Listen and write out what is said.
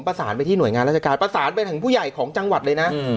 ประสานไปที่หน่วยงานราชการประสานไปถึงผู้ใหญ่ของจังหวัดเลยนะ